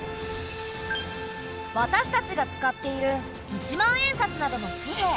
私たちが使っている１万円札などの紙幣。